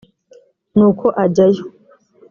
nuko ajyayo